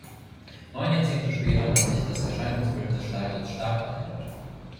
Neun Jahrzehnte später hat sich das Erscheinungsbild des Stadions stark verändert.